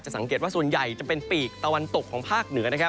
สังเกตว่าส่วนใหญ่จะเป็นปีกตะวันตกของภาคเหนือนะครับ